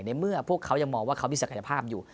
ในเมื่อพวกเขายังมองว่าเขามีศักยภาพอยู่